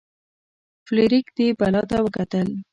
فلیریک دې بلا ته وکتل.